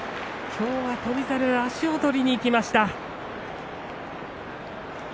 きょうは翔猿足を取りにいきました。